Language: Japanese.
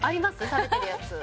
食べてるやつ